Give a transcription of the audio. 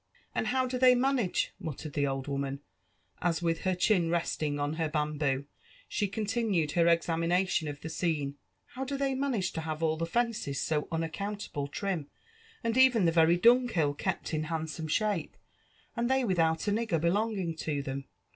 " And how do they manage,'' muttered the old wooMn, as with her chin resting on her bamboo she eentinued her examination of the aoene,* ^'^ how do they manage to have all the fences so unaccountable trim, and even the very dunghill kept in handsome shape, and they without a nigger belonging to them